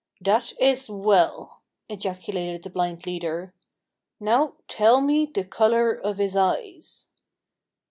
"That is well!" ejaculated the blind leader. "Now tell me the color of his eyes."